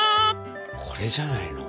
これじゃないの？